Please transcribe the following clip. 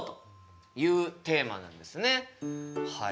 はい。